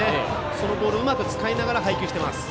そのボールをうまく使いながら配球をしています。